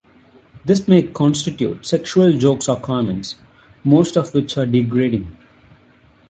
This may constitute sexual jokes or comments, most of which are degrading.